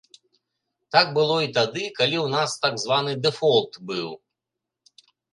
Так было і тады, калі ў нас так званы дэфолт быў.